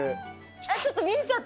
ちょっと見えちゃった。